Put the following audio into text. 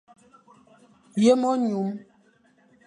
Yem-enyum.